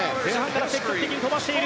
積極的に飛ばしている。